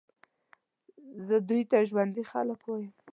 زه دوی ته ژوندي خلک وایم.